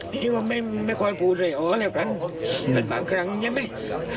นี่ก็ไม่ค่อยพูดเลยอ๋อแล้วกันแต่บางครั้งใช่ไหม